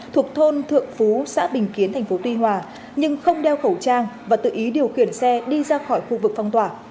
thuộc thôn thượng phú xã bình kiến tp tuy hòa nhưng không đeo khẩu trang và tự ý điều khiển xe đi ra khỏi khu vực phong tỏa